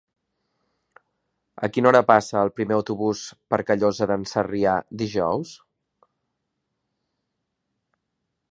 A quina hora passa el primer autobús per Callosa d'en Sarrià dijous?